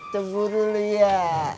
cemburu lu ya